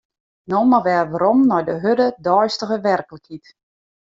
No mar wer werom nei de hurde deistige werklikheid.